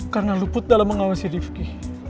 karena lu putar mengawasi riefki